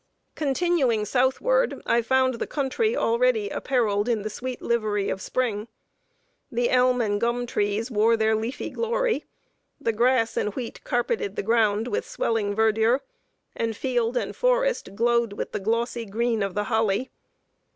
Continuing southward, I found the country already "appareled in the sweet livery of spring." The elm and gum trees wore their leafy glory; the grass and wheat carpeted the ground with swelling verdure, and field and forest glowed with the glossy green of the holly.